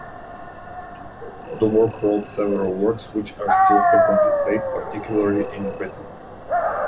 Dubourg wrote several works, which are still frequently played, particularly in Britain.